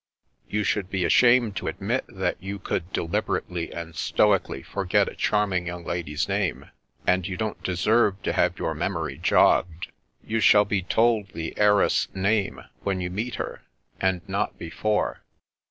'* You should be ashamed to admit that you could deliberately and stoically forget a charming yotmg lady's name, and you don't deserve to have your memory jogged. You shall be told the heiress's name when you meet her, and not before."